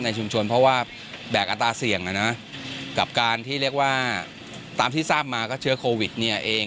ชุมชนเพราะว่าแบกอัตราเสี่ยงนะนะกับการที่เรียกว่าตามที่ทราบมาก็เชื้อโควิดเนี่ยเอง